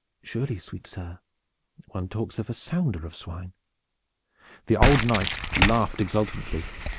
"Surely, sweet sir, one talks of a sounder of swine." The old Knight laughed exultantly.